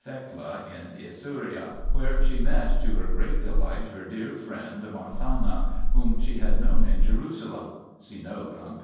Thecla in Isauria, where she met to her great delight her dear friend Marthana, whom she had known in Jerusalem (see note on p.